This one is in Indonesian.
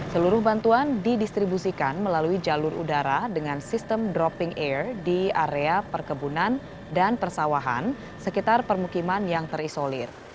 seluruh bantuan didistribusikan melalui jalur udara dengan sistem dropping air di area perkebunan dan persawahan sekitar permukiman yang terisolir